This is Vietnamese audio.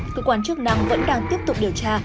cơ quan chức năng vẫn đang tiếp tục điều tra